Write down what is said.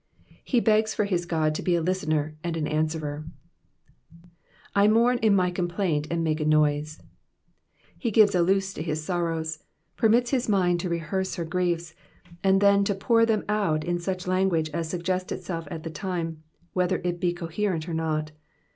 He begs for his God to be a listener and an answerer. *^Im&um in my complaint^ and make a noise,'"'* He gives a loose to his sorrows, permits his mind to rehearse her griefs, and to pour them out in such language as suggests itself at the time, wiiether it be coherent or not.